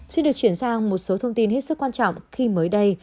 xin được chuyển sang một số thông tin hết sức quan trọng khi mới đây